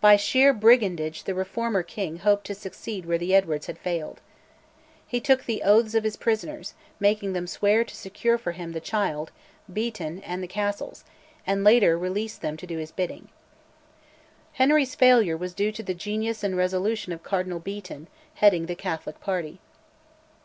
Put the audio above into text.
By sheer brigandage the Reformer king hoped to succeed where the Edwards had failed. He took the oaths of his prisoners, making them swear to secure for him the child, Beaton, and the castles, and later released them to do his bidding. Henry's failure was due to the genius and resolution of Cardinal Beaton, heading the Catholic party.